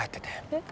えっ？